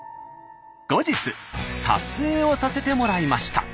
後日撮影をさせてもらいました。